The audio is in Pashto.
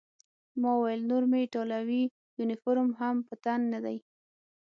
ما وویل: نور مې ایټالوي یونیفورم هم په تن نه دی.